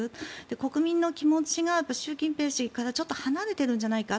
国民の気持ちが習近平氏からちょっと離れているんじゃないか